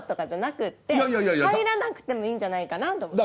入らなくてもいいんじゃないかなと思って。